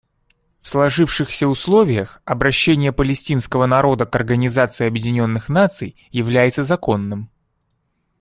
В сложившихся условиях обращение палестинского народа к Организации Объединенных Наций является законным.